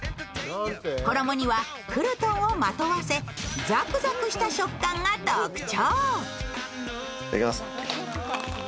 衣にはクルトンをまとわせ、ザクザクとした食感が特徴。